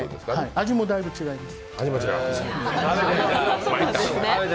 味もだいぶ違います。